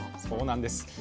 そうなんです。